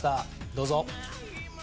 どうぞ。